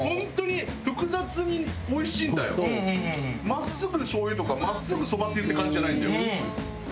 真っすぐ醤油とか真っすぐそばつゆって感じじゃないんだよ。